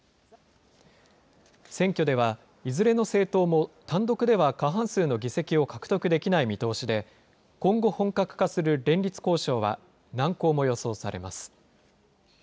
選挙ではいずれの政党も単独では過半数の議席を獲得できない見通しで、今後、本格化する連立交渉は、難航も予想されます。